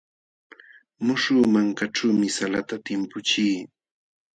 Muśhuq mankaćhuumi salata timpuchii.